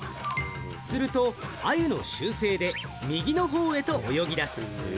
するとアユの習性で右の方へと泳ぎ出す。